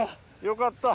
よかった。